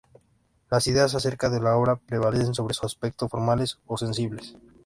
Las ideas acerca de la obra prevalecen sobre sus aspectos formales o sensibles.